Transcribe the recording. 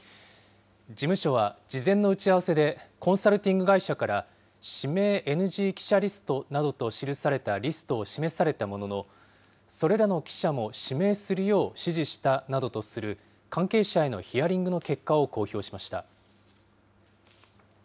事務所は、事前の打ち合わせでコンサルティング会社から、指名ＮＧ記者リストなどと記されたリストを示されたものの、それらの記者も指名するよう指示したなどとする関係者へのヒアリングの結果を公表しました。